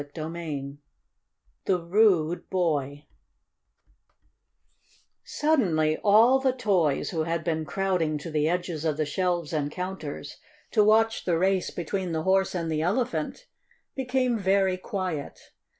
CHAPTER II THE RUDE BOY Suddenly all the toys, who had been crowding to the edges of the shelves and counters to watch the race between the Horse and the Elephant, became very quiet.